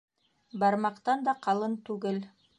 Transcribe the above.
Бармаҡтан да ҡалын түгел...